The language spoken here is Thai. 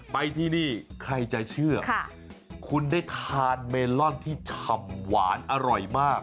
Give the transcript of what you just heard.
ไปที่นี่ใครจะเชื่อคุณได้ทานเมลอนที่ฉ่ำหวานอร่อยมาก